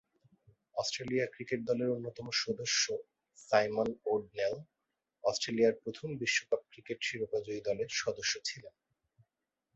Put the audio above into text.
Australia cricket দলের অন্যতম সদস্য সাইমন ও’ডনেল অস্ট্রেলিয়ার প্রথম বিশ্বকাপ ক্রিকেট শিরোপা জয়ী দলের সদস্য ছিলেন।